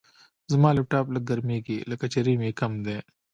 زما لپټاپ لږ ګرمېږي، لکه چې ریم یې کم دی.